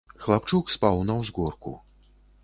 Хлапчук спаў на ўзгорку.